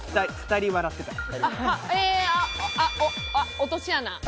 落とし穴。